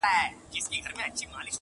o الوپه شوتالو پېوند دي٫